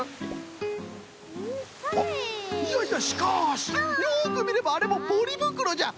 いやいやしかしよくみればあれもポリぶくろじゃ！